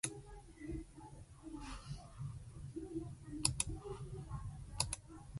Barton was bestowed an Honorary Doctorate in Theology from the University of Bonn.